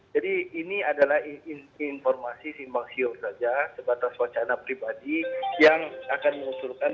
jadi ini adalah informasi simpang siur saja sebatas wacana pribadi yang akan disuruhkan